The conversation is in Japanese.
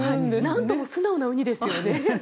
なんとも素直なウニですよね。